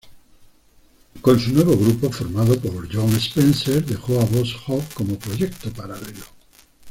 Con su nuevo grupo formado, Jon Spencer dejó a Boss Hog como proyecto paralelo.